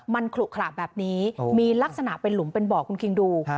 มันขลุขระแบบนี้มีลักษณะเป็นหลุมเป็นบ่อคุณคิงดู